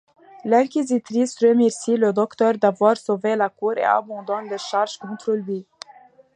L'inquisitrice remercie le Docteur d'avoir sauvé la cour et abandonne les charges contre lui.